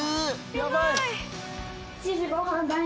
やばい！